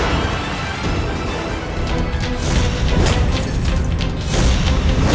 aku harus mengerahkan seluruh kemampuanku